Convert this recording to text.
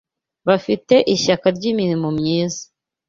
bafite ishyaka ry’imirimo myiza